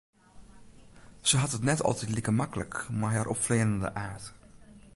Se hat it net altyd like maklik mei har opfleanende aard.